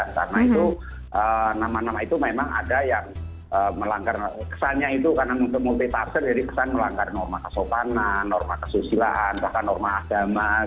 karena itu nama nama itu memang ada yang melanggar kesannya itu karena untuk multitasker jadi kesannya melanggar norma kesopanan norma kesusilaan bahkan norma agama